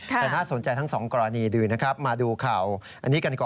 แต่น่าสนใจทั้งสองกรณีดีนะครับมาดูข่าวอันนี้กันก่อน